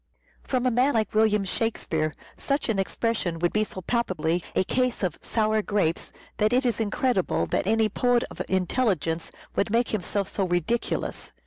From a man like William Shakspere such an expression would be so palpably a case of " sour grapes," that it is incredible that any poet of intelligence 452 "SHAKESPEARE" IDENTIFIED would make himself so ridiculous.